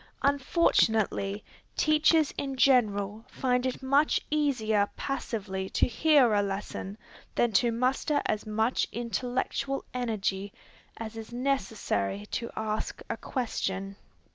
Unfortunately, teachers in general find it much easier passively to hear a lesson, than to muster as much intellectual energy as is necessary to ask a question.